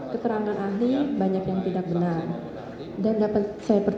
keterangan ahli banyak yang tidak benar